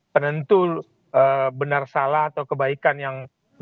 penentu benar salah atau kebaikan yang